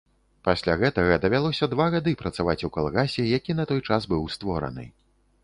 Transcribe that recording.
Пасля гэтага давялося два гады працаваць у калгасе, які на той час быў створаны.